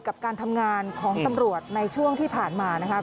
กับการทำงานของตำรวจในช่วงที่ผ่านมานะครับ